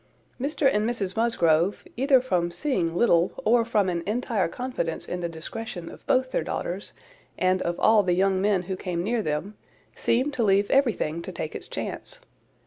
Mr and Mrs Musgrove, either from seeing little, or from an entire confidence in the discretion of both their daughters, and of all the young men who came near them, seemed to leave everything to take its chance.